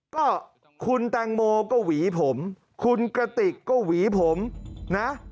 ก็คุณแตงโมก็หูหวีผมคุณกระติกก็หูหู